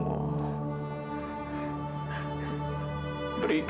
berikanlah kami yang terbaik